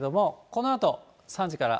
このあと３時から。